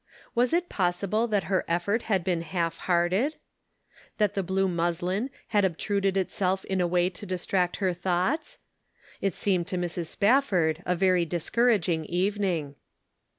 Was it possible that her effort had been half hearted ? That the blue muslin had obtruded itself in a way to distract her thoughts ? It seemed to Mrs. Spafford a very discouraging evening.